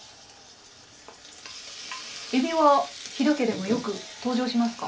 えびは飛田家でもよく登場しますか？